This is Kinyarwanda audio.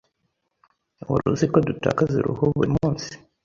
Wari uziko dutakaza uruhu buri munsi?